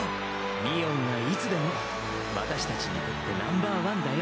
みおんはいつでも私たちにとってナンバーワンだよ。